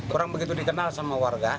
orang begitu dikenal sama warga